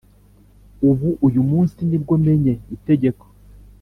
ubu uyu munsi nibwo menye itegeko